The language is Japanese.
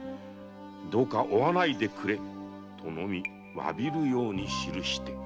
どうか追わないでくれ」とのみ詫びるように記して。